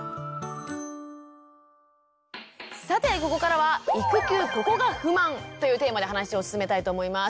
さてここからは「育休・ここが不満！」というテーマで話を進めたいと思います。